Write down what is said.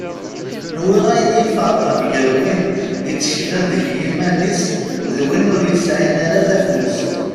Nwiɣ ayen i iferqen gar win itteklen deg yiman-is d win ur yesɛin ara taflest.